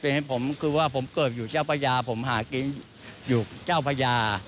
เพราะฉะนั้นผมคือว่าผมเกิดอยู่เจ้าพญาผมหากินอยู่เจ้าพญา